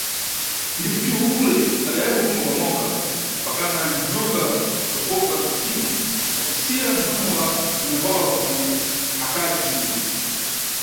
Ndipo cule ule adayamba kumogamoga, mpakana nyoka kutopoka ntima acisiya mwana wa nyakwawa kuti akadye cule.